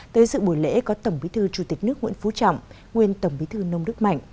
tới dự buổi lễ có tổng bí thư chủ tịch nước nguyễn phú trọng nguyên tổng bí thư nông đức mạnh